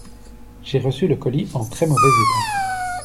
J'ai reçu le colis en très mauvais état.